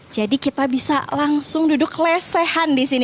jadi kita bisa langsung duduk lesehan disini